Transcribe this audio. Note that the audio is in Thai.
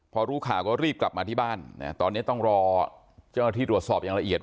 พอรู้ข่าวก็รีบกลับมาที่บ้านตอนนี้ต้องรอเจ้าหน้าที่ตรวจสอบอย่างละเอียด